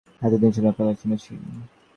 এতদিন শুধু কান্নার শব্দ শুনেছি।